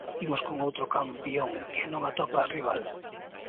Imos con outro campión que non atopa rival.